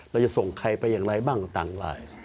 เราจะส่งใครไปอย่างไรบ้างต่างหลาย